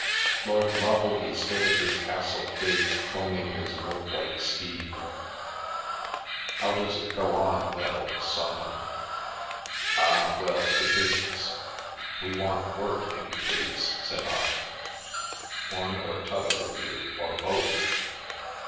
Lord Lovel he stood at his castle gate, Combing his milk white steed ... The Milky Way — how does it go on, that old song? Ah, well, to busi ness." " We want work, if you please," said I. " One or t'other of you, or both